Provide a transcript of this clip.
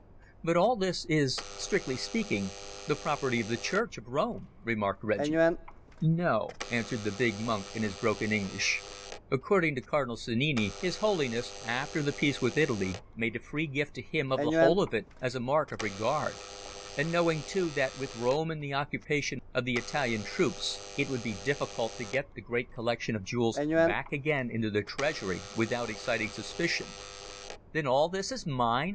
"But all this is, strictly speaking, the property of the Church of Rome," remarked Reggie. "No," answered the big monk in his broken English; "according to Cardinal Sannini, His Holiness, after the peace with Italy, made a free gift to him of the whole of it as a mark of regard, and knowing too that with Rome in the occupation of the Italian troops it would be difficult to get the great collection of jewels back again into the treasury without exciting suspicion." "Then all this is mine!"